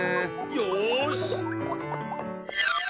よし！